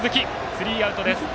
スリーアウトです。